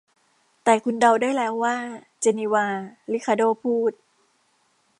แต่คุณเดาได้แล้วว่า 'เจนีวา' ริคาร์โด้พูด